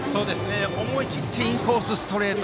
思い切ってインコースストレート。